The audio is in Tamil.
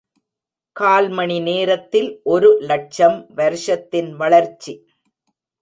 கால்மணி நேரத்தில் ஒருலட்சம் வருஷத்தின் வளர்ச்சி!